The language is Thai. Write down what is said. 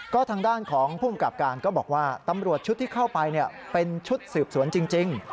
ก็ทางด้านของภูมิกับการก็บอกว่าตำรวจชุดที่เข้าไปเป็นชุดสืบสวนจริง